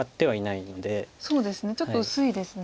そうですねちょっと薄いですね。